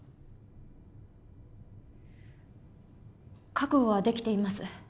覚悟はできています